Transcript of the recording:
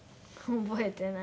覚えてない。